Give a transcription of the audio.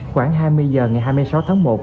khoảng hai mươi h ngày hai mươi sáu tháng một